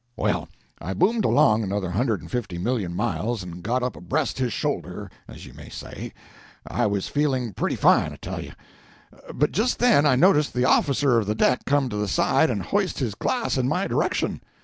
Well, I boomed along another hundred and fifty million miles, and got up abreast his shoulder, as you may say. I was feeling pretty fine, I tell you; but just then I noticed the officer of the deck come to the side and hoist his glass in my direction.